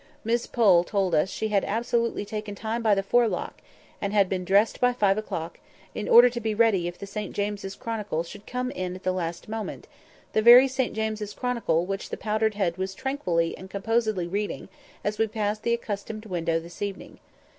Miss Pole told us she had absolutely taken time by the forelock, and been dressed by five o'clock, in order to be ready if the St James's Chronicle should come in at the last moment—the very St James's Chronicle which the powdered head was tranquilly and composedly reading as we passed the accustomed window this evening.